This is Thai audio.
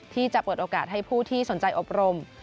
ที่จะเปิดโอกาสให้ผู้ที่สนใจอบรม